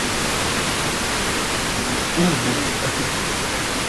Es actual presentadora de "Show Caracol", sección de farándula de "Noticias Caracol".